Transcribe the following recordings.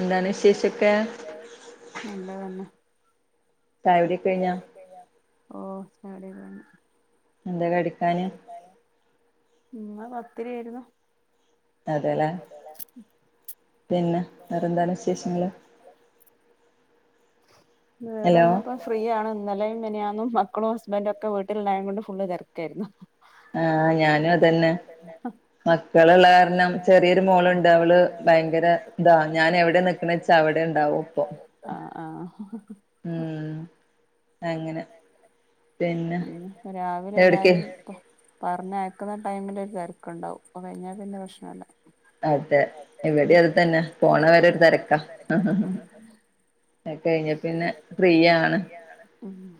എന്താണ് വിശേഷൊക്കെ? നല്ലതന്നെ. ചായ കുടി ഒക്കെ കഴിഞ്ഞ? ഓ, ചായ കുടിയൊക്കെ കഴിഞ്ഞു. എന്ത കടിക്കാന്? ന്ന് പത്തിരി ആയിരുന്നു. അതെല്ലേ. പിന്നെ വേറെന്താ വിശേഷങ്ങള്? വേറെന്നപ്പോ... ഫ്രീ ആണ്. ഇന്നലെയും മിനിയാന്നും മക്കളും ഹസ്ബൻറും ഒക്കെ വീട്ടില ഉണ്ടായകൊണ്ട് ഫുള് തിരക്കായിരുന്നു. ആഹ്, ഞാനും അതന്നെ. [unintelligible] മക്കളള്ള കാരണം ചെറിയൊരു മോളുണ്ട് അവള് ഭയങ്കര ഇതാ, ഞാൻ എവിടെ നി ക്ണച്ചാ അവിടെ ഉണ്ടാവും ഒപ്പോ ആഹ് ആഹ് ഉം അങ്ങനെ ഉം രാവിലെ എല്ലാരും ഇ പറഞ്ഞയക്കുന്ന ടൈമിൽ ഒരു തിരക്കുണ്ടാവും അത്കഴിഞ്ഞാ പിന്നെ പ്രശ്നമല്ല. അതെ ഇവിടെ അത് തന്നെ പോണ വരെരു തിരക്കാ കഴിഞ്ഞ പിന്നെ ഫ്രിയാണ്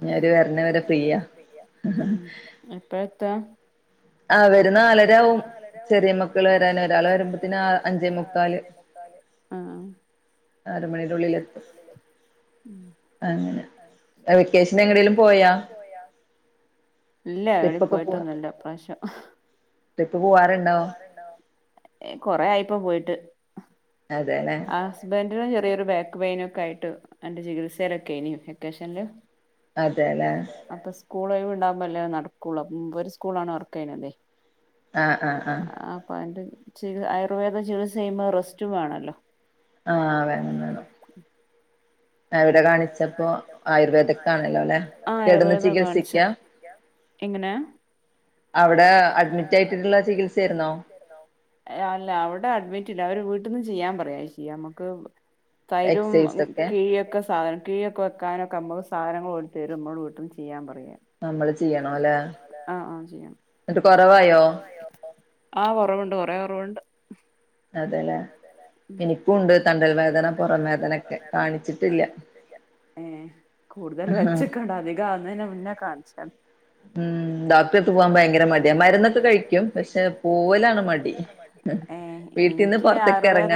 ഞ്അവർ വരുന്ന വരെ ഫ്രിയാ. ഉ എപ്പഴത്താ? അവൻ ആ ഇവർ നാലരയാക്കും ചെറിയ മക്കൾ വരാന് ഒരാള് വരുമ്പോത്തേന് അഞ്ചേ മുക്കാല് ആറ് മണിയുടെള്ളിൽ എത്തും അങ്ങനെ വെക്കേഷൻ എവിടെങ്കിലും പോയോ ഇല്ല എവിടെ പോയിട്ടൊന്നുല്ല ഇപ്രാവിശ്യം ട്രിപ്പ് പോവാറുണ്ടോ കൊറ ആയിപ്പ പോയിട്ട് അതെ ല്ലെ ബന്റെന് ചെറിയൊരു ബാക്ക് പൈൻ ക്കെ ആയിട്ട് എന്റെ ചികിത്സയിലൊക്കെനി വെക്കേഷനില് അപ്പോ സ്കൂളോയിവു ണ്ടാകുമ്പോല്ലേ നടക്കുള്ളൂ [unintelligible] സ്കൂളാണ് വർക്ക് ചെയ്യതേ ആഹ് ആഹ് ആ അപ്പോ അന്റെ ചി ആയുർവേദ ചികിത്സ ചെയ്യുമ്പോ റസ്റ്റും വേണല്ലോ ആഹ് വേണം വേണം അവിടെ കാണിച്ചപ്പോ ആയുർവേദിക്കാണല്ലേ ല്ലെ കെടന്ന് ചികിത്സിക്ക എങ്ങനെ? അവിടെ അഡ്മിറ്റ് ആയിട്ടിട്ടുള്ള ചികിത്സ ആയിരുന്നോ? ഏ അല്ല അവിടെ അഡ്മിറ്റ് ഇല്ല അവര് വീട്ടിൽന്നന്ന് ചെയ്യാൻപറയാ ചെയ്യാ നമുക്ക് തൈരും കീഴിയൊക്കെ സാധനം കീഴൊക്കെ വക്കാനൊക്കെ നമ്മൾസാധനങ്ങള് ഓല് തരുംനമ്മളോട് വീട്ടിന്ന് ചെയ്യാൻ പറയാ. നമ്മള് ചെയ്യണം അല്ലെ എന്നിട്ട് കൊറവായോ ആ കുറവുണ്ട് കുറെ കുറവുണ്ട് അതെല്ലേ എനിക്കുണ്ട് തണ്ടൽ വേദന പുറം വേദന ഒക്കെ കാണിച്ചിട്ടില്ല ഏ കൂടുതൽ വച്ച് വുന്നതിനെ മുന്നെ കാണിച്ചാളി. ഡേക്ടരെഎടുത്തിക്ക് പോകൻ ഭയങ്കര മതി മരുന്നക്കെ കഴിക്കും പക്ഷെ പോലാണ് മടി. ഏ എ എനിക്ക് ആയുർവേദ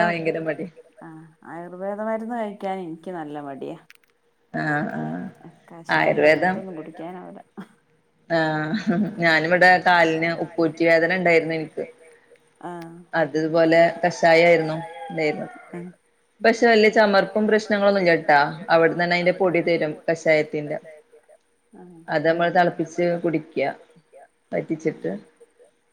ആ ആയുർവേദ മരുന്ന് കഴിക്കാൻ എനിക്ക് നല്ല മടിയാ ആഹ് ആഹ് കഷായം അങ്ങനത്തൊന്നും കുടിക്കാനാവുല. ആഹ് ഞാനിവിടെ കാലിന് ഉപ്പറ്റി വേദന ഉണ്ടായിരുന്നു എനിക്ക്. അത്പോലെ കഷായായിരുന്നു ഉണ്ടായിരുന്നത് പക്ഷെ വലിയ ചമർപ്പും പ്രശ്നങ്ങളൊന്നും ഇല്ല ട്ടോ അവിടുന്നതിന്റെ പൊടി ത രും കഷായത്തിന്റെ അത് നമ്മൾ തളപ്പിച്ച് കുടിക പറ്റിച്ചിട്ട്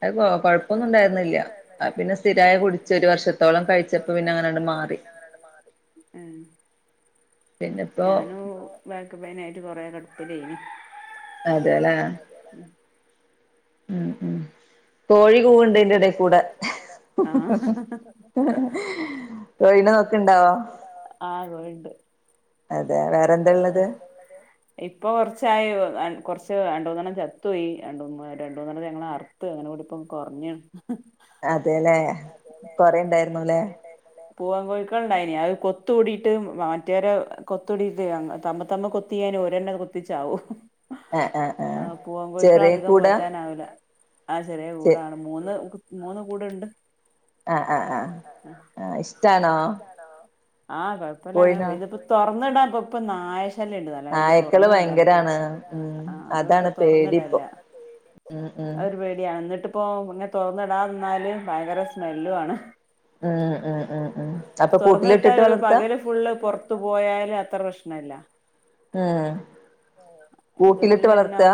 അത് കോഴ കോഴപ്പൊന്നും ഇണ്ടായിരുന്നില്ല അത് പിന്നെ സ്ഥിരായ കുടിച്ച് ഒരു വർഷത്തോളം കഴിച്ചപ്പോ പിന്നെ അങ്ങനെണ്ട് മാറി ഞാനും ബാക്ക് പൈനായിട്ട് കൊറെ കടപ്പിലെനി അതെ ല്ലെ ഉം ഉം കോഴി കൂവുണ്ട്തിന്റെടെ കൂടെ കോഴിനെ നോക്കുണ്ടോ? ആ കോഴിണ്ട് അതെ വേറെന്താള്ളത് ഇപ്പൊ കൊറച്ചായി കുറച്ച് രണ്ടൂ ന്നെണം ചത്തു പോയി രണ്ട രണ്ടൂ ന്നെണ്ണം ഞങ്ങൾ അർ അ അങ്ങനെ കൂടി ഇപ്പം കുറഞ്ഞാണ് അതെല്ലേ കൊറെണ്ടായിരുന്നുല്ലേ. പൂവാൻ കോഴിക്കൾ ഉണ്ടായിന അത് കൊത്തൂടിയിട്ട് മറ്റേരെ കൊത്തൂടിയിട്ട് തമ്മ തമ്മ കൊത് ത്തിന് ഒരെണ്ണ കുത്തിച്ചാവു ആഹ് ആഹ് ആഹ് ചെറിയ കൂടാ ആഹ് ചെറി കൂടാണ് മൂന്ന് മൂന്ന് കൂടെ ഉണ്ട് ആ ആ ആ ആഹ് ഇഷ്ടാണോ. ഹലോ ആഹ് കൊഴപ്പമല്ല അങ്ങനെ പോയിപ്പ തുറന്നിടാ ഇപ്പ നായ് നായക്കള് ഭയങ്കരാണ്. ഉം അതാണ് പേടിപ്പോ ഉം ഉം ന്നിട്ട് പ്പോ ഇങ്ങനെ തൊർന്ന്ടാന്നാല് ഭയങ്കര സ്മെല്ലു ആണ്. ഏഹ് ഏഹ് ഏഹ് ഏഹ് തൊർന്ന് വിട്ടാല് ഒരു പകല് ഫുള്ള് പൊർത്തു പോയാല് അത്ര പ്രശ്നല്ല. ഏഹ് കൂട്ടിലിട്ട് വളർത്താ?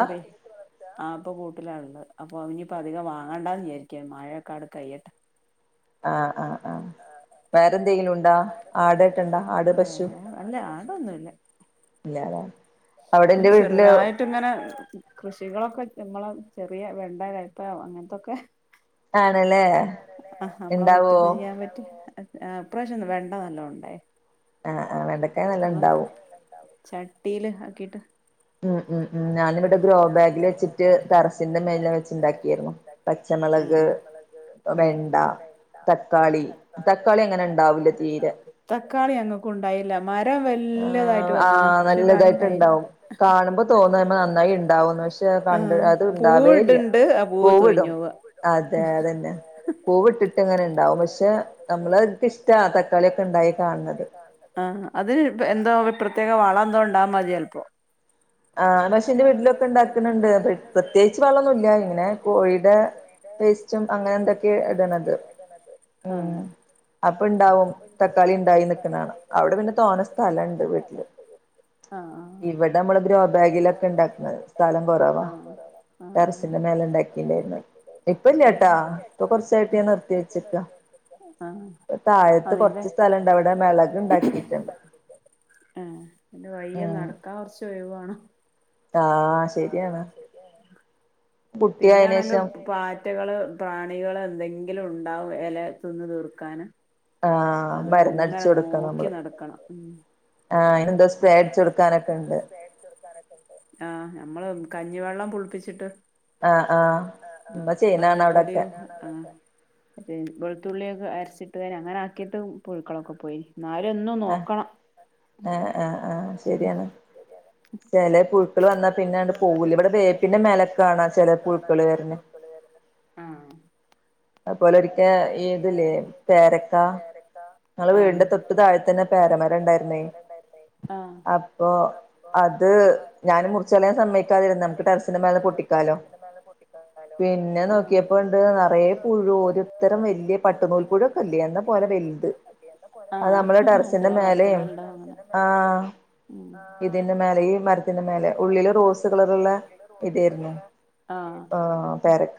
ആപ്പൊ കൂട്ടിലാള്ള അപ്പൊ ഇനിപ്പോ അധികം വാങ്ങാണ്ടാന്ന് ചാരിക്ക മഴയൊക്കെ ആണ്ട്‌ കയ്യട്ടെ. ആഹ് ആഹ് ആഹ് വേറെന്തെങ്കിലും ഉണ്ടോ എന്തെങ്കിലുണ്ടോ വേ അല്ല ആടൊന്നുല്ല. ല്ലാ ലേ ചെറുതായ ട്ട് ങ്ങനെ കൃഷികളൊക്കെ നമ്മളെ ചെറിയ വെണ്ടാ, കയ്പ്പ അങ്ങൻത്തൊക്കെ. ആണ് ല്ലേ ഇണ്ടാവോ? [unintelligible] ആഹ് ഇപ്രാവശ്യം ഒന്ന വെണ്ട നല്ലോ ഇണ്ടായ്ണ്. ആഹ് ആഹ് വെണ്ടക്കായ നല്ലോം ണ്ടാവും. ചട്ടീല് ആക്കിട്ട് ഉം ഉം ഉം ഞാന്വിടെ ഗ്രോ ബാഗില് വെച്ച്ട്ട് ടെറസിന്റെ മേലെ വെച്ച് ഇണ്ടാക്കിയായ്രുന്നു. പച്ചമെളക്, വെണ്ട. തക്കാളി തക്കാളി അങ്ങനെ ഇണ്ടാവുല്ലേ തീരെ. തക്കാളി ഞങ്ങക്കും ണ്ടായില്ല മരം വല്ലതായിട്ട് വന്ന്ണ്. നല്ലതായിട്ട്ണ്ടാവും. കാണുമ്പൊ തോന്ന അയ്മ്മെ നന്നായി ഇണ്ടാവുന്ന് ശേ കണ്ട് അത് ഇണ്ടാവേല്ല. അ പൂവ് തൊയിഞ്ഞോവാ. അതെ അതന്നെ. പൂവ്ട്ട്ട്ട് ഇങ്ങനെ ണ്ടാവും. പശേ നമ്മളെ ക്കിഷ്ട തക്കാളിയൊക്കെ ഇണ്ടായി കാണ്ണ്ത്. ആഹ് അത് പ്പൊ എന്തോ പ്രത്യേക വളന്തോ ഇണ്ടാ മതി ചെൽപ്പൊ ആഹ് പശേ ന്റെ വീട്ട്ലൊക്കെ ഇണ്ടാക്ക്ണ് ണ്ട്. പ്രത്യേകിച്ച് വളൊന്നുംല്ല ഇങ്ങനെ കോഴിടെ വേസ്റ്റും അങ്ങനെ എന്തൊക്കെയ ഇടണത് ഉം അപ്പൊണ്ടാവും തക്കാളി ഇണ്ടായ നിക്ക്ണാണാ അവ്ടെ പിന്നെ തോന്ന സ്ഥലംണ്ട് വീട്ടില് ഇവിടെ മ്മള് ഗ്രോബാഗിലൊക്കെ ഇണ്ടാക്ക്ണ സ്ഥലം കൊറവാ. ടെറസിന്റെ മേലെ ഉണ്ടാക്കിണ്ടായ്രുന്നു. ഇപ്പ ഇല്ലട്ടാ ഇപ്പൊ കൊർച്ചായിട്ട് ഞാ നിർ ത്തിയച്ചക്ക. ആഹ് താഴത്ത് കൊർച്ച് സ്ഥലംണ്ട്. അവിടെ മെളക് ണ്ടാക്കിട്ട്ണ്ട്.. ആഹ് ന്റെ വഴിയെ നടക്കാൻ കൊർ ച്ചൊഴിവാണം. ആഹ് ശരിയാണ്. പിന്നൊണെങ്കോ പാ റ്റകള്, പ്രാണികള് എന്തെങ്കിലും ഇണ്ടാവും എല തിന്ന് തീർക്കാന് അത്ങ്ങനെ നോക്കി നടക്കണം ആഹ് അയ്നെന്തോ സ്പ്രേ അടിച്ചൊട്ക്കാനൊക്കെണ്ട്. ആഹ് ഞമ്മള് കഞ്ഞിവെള്ളം പുൾപ്പിച്ചിട്ട് ആഹ് ആഹ് മ്മ ചെയ്യ്ണാണാ അവ്ടൊക്കെ ആഹ് വെൾത്തുള്ളിക്കെ അര്ച്ചിട്ടുകാര് അങ്ങനെ ആക്കിയിട്ടും പുഴുക്കളൊക്കെ പോയിനി ന്നാലും എന്നും നോക്കണം. ആഹ് ശരിയാണ്. ചെലെ പുഴുക്കള് വന്നാ പിന്നാണ്ട്‌ പോവുല. ഇവിടെ വേപ്പിന്റെ മേലക്കണാ ചെല പുഴുക്കള് വര്ണേ അത്പോലെ ഒരിക്ക ഇ ഇത് ല്ലേ പേരക്ക നങ്ങളെ വീടിന്റെ തൊട്ട് താഴത്തന്നെ പേരമരം ണ്ടായ്ര്ന്നേ അപ്പൊ അത് ഞാന് മുർച്ചളയാൻ സമ്മയ്ക്കാതിരുന്നെ നമുക്ക് ടെറസിന്റെ മേലെന്ന് പൊട്ടിക്കാലോ പിന്നെ നോക്കിയപ്പോ ണ്ട് നറയെ പുഴു ഒരുത്തരം വലിയ പട്ടനൂൽ പുഴു ഒക്കില്ലേ എന്ന പോലെ വലുത് ആഹ് ചില മരത്തുമ്മ ഇണ്ടാവണത്ത ആഹ് ഇതിന്റെ മേലെ ഈ മരത്തിന്റെ മേലെ ഉള്ളില് റോസ് കളറള്ള ഇതായിരുന്നു ആ പേരക്ക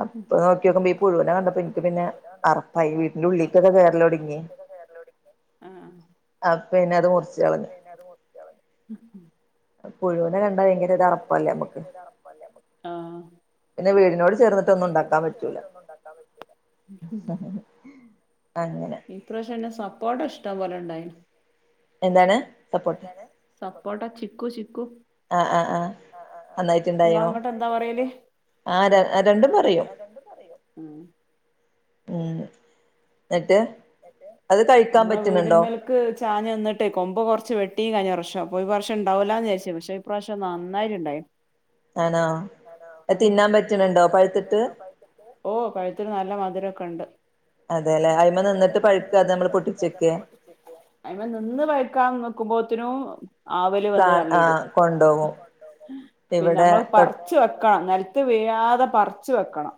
അപ്പൊ നോക്കിയപ്പ ഈ പുഴുന കണ്ടപ്പോ എനിക്ക് പിന്നെ അറപ്പായി വീട്ടന്റെ ഉള്ളേക്കൊക്കെ കേയറല് തൊടങ്ങി അ പി പിന്നെ അത് മുറച്ച് കളഞ്ഞു പുഴുവിനെ കണ്ട ഭയങ്കര ഒരു അറപ്പല്ലേ നമ്മുക്ക് പിന്നെ വീടിനോട് ചേർന്നി ഒന്നും ഉണ്ടാക്കൻ പറ്റൂല അങ്ങനെ ഈ പ്രാവശ്യംതന്നെ സപ്പോർട്ട ഇഷ്ടം പോലെ ഉണ്ടായി എന്താണ് എന്താണ് സപ്പോട്ട ചിക്കു ചിക്കു ആഹ് ആഹ ആഹ അഹ് ആഹ് നിങ്ങള് അങ്ങോട്ട് എന്താ പറയല് ആരാ ആരാണ് ആ ആരാണ് രണ്ടും പറയും ഉ എന്നിട്ട് അത് കഴിക്കാൻ പറ്റുന്നുണ്ടോ ചാഞ്ഞു നിന്നട്ടെ കൊമ്പ് കുറച്ച് വെട്ടിയ കഴഞ്ഞ വർഷം അപ്പ ഈ വർഷം ഉണ്ടാവില്ലാന്ന് വിചരിചേന്ന് പക്ഷേ പ്രാവശ്യം നന്നായിട്ടുണ്ടായി ആണോ ആ ഓ പഴുത്തിന് നല്ല മധുരൊക്കെ ഉണ്ട് അതെല്ലെ അയിമ നിന്നിട്ട് പഴുക്ക അതെ നമ്മള് പൊട്ടിച്ചെക്ക അതുമാ നിന്ന് പഴുക്കാൻ നോക്കുമ്പോത്തിനും ആവല് വന്ന് തള്ളിടും പിന്ന നമ്മൾ പറ ച്ച് വെക്ക ണം നിലത്ത് വീഴാതെ പറിച്ച് വെക്കണം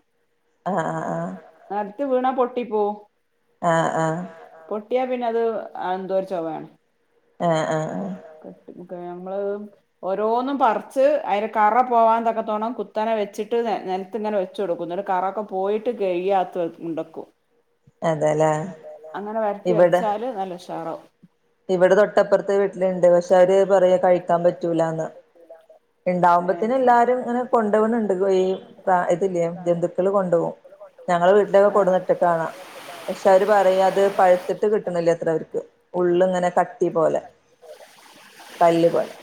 ആഹ് ആഹ് ആഹ് നിലത്ത് വീണാ പൊട്ടിപ്പോക്കും ആഹ് ആഹ് പൊട്ടിയാ പിന്നെ അത് എന്തോ ഒരു ചൊവ്വെന്ന് ആഹ് ആഹ് ആഹ് [unintelligible] നമ്മള് ഓരോന്നും പറിച്ച് അതിന് കറ പോവാതൊക്കെ തോണം കുത്തനെ വെച്ചിട്ട് നിലത്ത് ഇങ്ങനെ വെച്ച് കൊടുക്കും എന്നിട്ട് കറൊക്കെ പോയിട്ട് കഴുകി അകത്ത് കൊണ്ട് വെക്കും അതെല്ലേ ഇവിടെ നല്ല ഉഷാറാകും ഇവിടെ തൊട്ടപ്പുറത്തെ വീട്ടിലുണ്ട് പക്ഷെ അവര് പറയാ കഴിക്കാൻ പറ്റൂലന്ന് ഉണ്ടാവുമ്പത്തന എല്ലാരും ഇങ്ങനെ കൊണ്ടപോണണ്ട് ഈ ഇതില്ലേ ജന്തുക്കള് കൊണ്ടുപോകും ഞങ്ങളെ വീട്ടിലൊക്കെ കൊണ്ട് ന്ന് ഇട്ട കാണാം പക്ഷെ അവര് പറയും അത് പഴുത്തിട്ട് കിട്ടു ണില്ലേ എത്ര അവർക്ക് ഉള്ള് ഇങ്ങനെ ക കട്ടി പോലെ പല്ല് പോലെ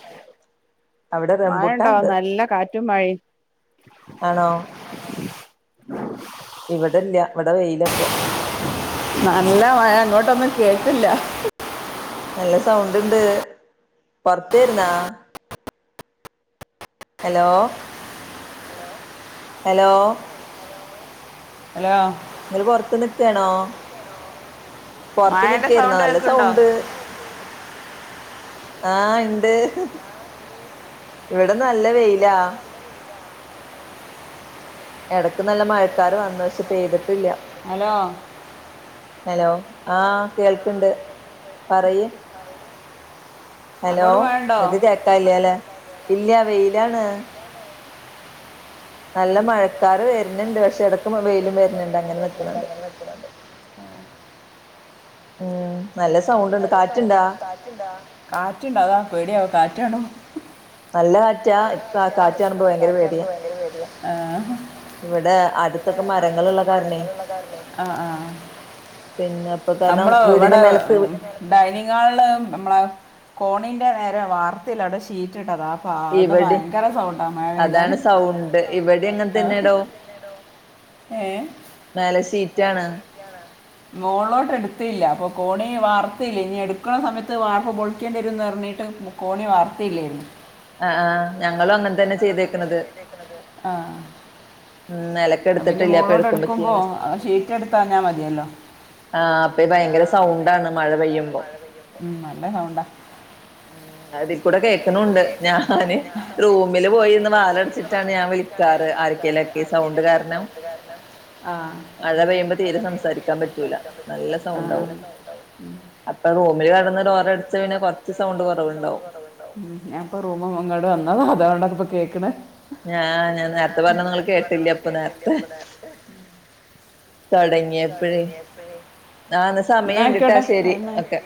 മഴ ഉണ്ടോ നല്ല കാറ്റും മഴയും ആണോ ഇവിടില്ല ഇവിടെ വെയിലപ്പൊ നല്ല മഴ ഇങ്ങോട്ടൊന്നും കേക്കില്ല നല്ല സൗണ്ട് ഇണ്ട് പൊർത്തായിരുന്നാ ഹലോ ഹലോ ഹലോ ഇങ്ങള് പൊറത്ത് നിക്കണോ പൊറത്ത് നിക്കായിന്നോ നല്ല സൗണ്ട് ആ ഹ് ഇണ്ട് ഇവടെ നല്ല വെയിലാ ഇടക്ക് നല്ല മഴക്കാറ് വന്ന് പക്ഷെ പെയ്തിട്ടില്ല ഹലോ ഹലോ ആ കേൾക്കുണ്ട് പറയ്‌ ഹലോ ഇത്‌ കേൾക്കാനില്ലാല്ലെ ഇല്ല വെയിലാണ് നല്ല മഴക്കാറ് വരുന്നുണ്ട് പക്ഷെ ഇടക്ക് വെയിലും വരുന്നുണ്ട് അങ്ങനെ നിക്കണത് [inaudible] ആഹ് ഉം നല്ല സൗണ്ട് ഉണ്ട് കാറ്റുണ്ടാ ട്ടുണ്ടാ കാറ്റ് ഉണ്ട് അതാ പേടിയാവുന്നു കാറ്റാണ് നല്ല കാറ്റാ ഇപ്പോ കാറ്റുകാണുമ്പോ ഭയങ്കര പേടിയാ ആ ഇവിടെ അടുത്തൊക്കെ മരങ്ങളുള്ള കാരണമേ ആഹ് ആഹ് നമ്മള് ഇവിടെ ഡൈനിങ്ങ് ഹാളിൽ നമ്മള് കോണിൻ്റെ നേരെ വാർത്തില്ല അവിടെ ഷീറ്റ് ഇട്ടതാ ഇവിടേം അതാണ് സൗണ്ട് ഇവിടേം അങ്ങനെ തന്നെയാടോ മേലെ ഷിറ്റാണ് മോളോട്ട് എടുത്തില്ല അപ്പൊ കോണി വാർത്തില്ല ഇനി എടുക്കുണ സമയത്ത് വാർപ്പ് പൊളിക്കേണ്ടി വരുമെന്ന് പറഞ്ഞിട്ട് കോണി വാർത്തില്ലേന്നു ആഹ് ആഹ് ഞങ്ങളും അങ്ങനെ തന്നെ ചെയ്തേക്ക്ണത് ഉം മേല [unintelligible] മോളോട്ട് എടുക്കുമ്പോ ഷീറ്റ് എടുത്തഞ്ഞാൽ മതിയല്ലോ ആ അപ്പീ ഭയങ്കര സൗണ്ടാണ് മഴ പെയ്യുമ്പോ ഉം നല്ല സൗണ്ടാ അതിൽ കൂടെ കേൾക്കണൂണ്ട് ഞാന് റൂമില് പോയിരുന്ന് വാതിലടച്ചിട്ടാണ് ഞാൻ വിള ക്കാർ ആർക്കെലൊക്കെ ഈ സൗണ്ട് കാരണം ആഹ് മഴ പെയ്യുമ്പോ തീരെ സംസാരിക്കാൻ പറ്റൂല നല്ല സൗണ്ടാവും അപ്പൊ റൂമിൽ കെടന്ന് ഡോറടിച്ചഴിഞ്ഞ കൊറച്ച് സൗണ്ട് കുറവുണ്ടാവും ഉം ഞാൻ ഇപ്പോ റൂം ഇങ്ങോട്ട് വന്നതാ അതാണ് അത്‌ ഇപ്പൊ കേൾക്കണേ ഞാ ഞാൻ നേരത്തെ പറഞ്ഞെന്നും ഇങ്ങള് കേട്ടില്ല അപ്പം നേരത്തെ തുടങ്ങിയപ്പഴേ നന്ന് സമയായിട്ടുണ്ട് ട്ടാ ശരി ഒക്കെ